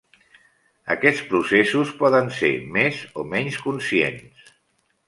Aquests processos poden ser més o menys conscients.